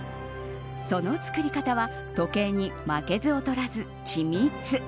その作り方は時計に負けず劣らず緻密。